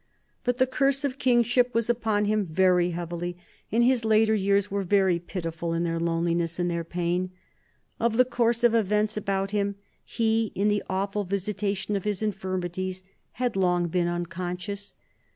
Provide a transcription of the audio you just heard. But the curse of kingship was upon him very heavily, and his later years are very pitiful in their loneliness and their pain. Of the course of events about him he, in the awful visitation of his infirmities, had long been unconscious.